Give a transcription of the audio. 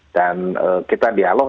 dan kita dialog